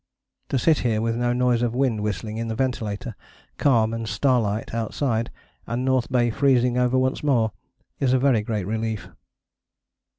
To sit here with no noise of wind whistling in the ventilator, calm and starlight outside, and North Bay freezing over once more, is a very great relief."